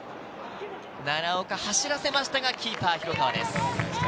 奈良岡、走らせましたがキーパー・広川です。